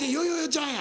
ちゃんや。